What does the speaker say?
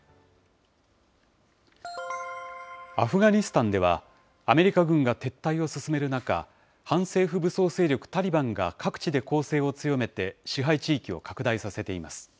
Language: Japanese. アフガニスタンでは、アメリカ軍が撤退を進める中、反政府武装勢力、タリバンが各地で攻勢を強めて支配地域を拡大させています。